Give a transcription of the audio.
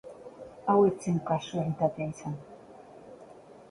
Hau ez zen kasualitatea izan.